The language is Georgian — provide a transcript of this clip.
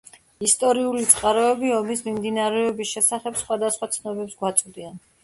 ისტორიული წყაროები ომის მიმდინარეობის შესახებ სხვადასხვა ცნობებს გვაწვდიან.